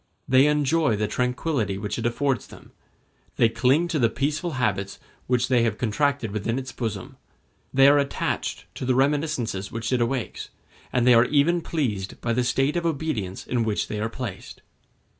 They enjoy the tranquillity which it affords them; they cling to the peaceful habits which they have contracted within its bosom; they are attached to the reminiscences which it awakens, and they are even pleased by the state of obedience in which they are placed.